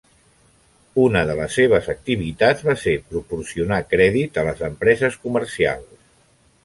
Una de les seves activitats va ser proporcionar crèdit a les empreses comercials.